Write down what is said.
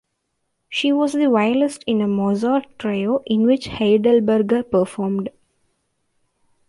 She was the violist in a Mozart trio in which Heidelberger performed.